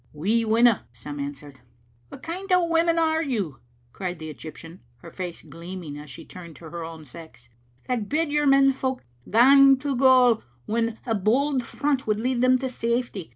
"We winna," some answered. "What kind o' women are you," cried the Egyptian, her face gleaming as she turned to her own sex, " that bid your men folk gang to gaol when a bold front would lead them to safety?